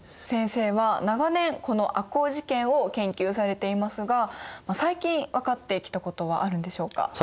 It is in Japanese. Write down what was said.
先生は長年この赤穂事件を研究されていますが最近分かってきたことはあるんでしょうか？